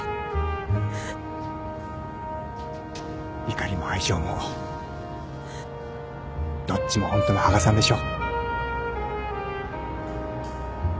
怒りも愛情もどっちもホントの羽賀さんでしょ？